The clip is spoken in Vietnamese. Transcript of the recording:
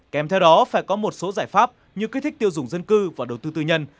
kèm theo đó phải có một số giải pháp như kích thích tiêu dùng dân cư và đầu tư tư nhân